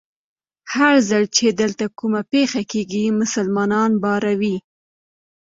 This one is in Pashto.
هر ځل چې دلته کومه پېښه کېږي، مسلمانان پاروي.